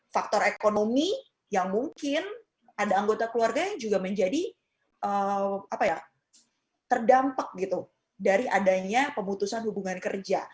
faktor ekonomi yang mungkin ada anggota keluarga yang juga menjadi terdampak gitu dari adanya pemutusan hubungan kerja